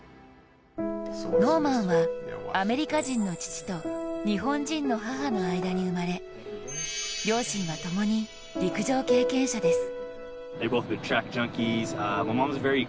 ノーマンはアメリカ人の父と日本人の母の間に生まれ両親はともに陸上経験者です。